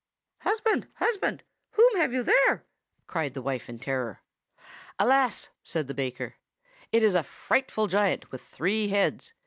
"'Husband, husband! whom have you there?' cried the wife in terror. "'Alas!' said the baker; 'it is a frightful giant with three heads.